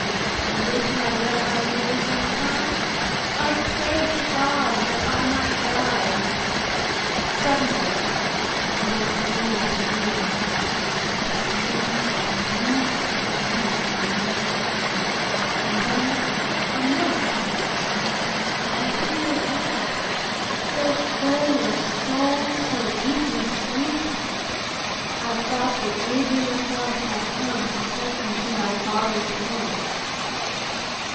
And with my wet eyes raised on high I prayed to God that I might die. Suddenly in that silence drear A sound of music reached my ear, And then a note, I hear it yet, So full of soul, so deeply sweet, I thought that Gabriel's self had come To take me to thy father's home.